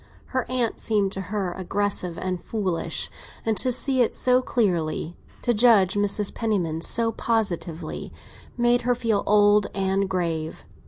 Her aunt seemed to her aggressive and foolish, and to see it so clearly—to judge Mrs. Penniman so positively—made her feel old and grave.